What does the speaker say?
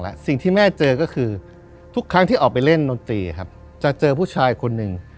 แล้วทุกคนก็